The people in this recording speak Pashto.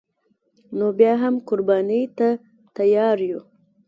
نو بیا هم قربانی ته تیار یو